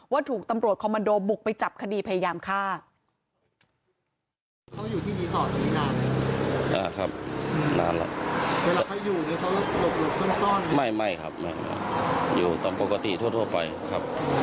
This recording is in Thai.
ถูกตำรวจคอมมันโดบุกไปจับคดีพยายามฆ่า